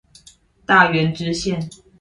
大園支線